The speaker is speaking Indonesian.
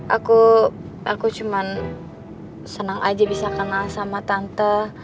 aku aku cuma senang aja bisa kenal sama tante